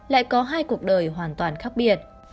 lại có hai cuộc đời hoàn toàn khác biệt